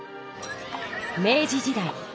明治時代。